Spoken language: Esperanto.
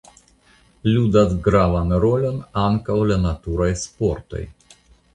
Ludas gravan rolon ankaŭ la naturaj sportoj.